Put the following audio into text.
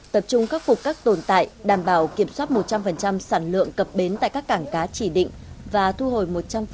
tập trung khắc phục các tồn tại đảm bảo kiểm soát một trăm linh sản lượng cập bến tại các cảng cá chỉ định và thu hồi một trăm linh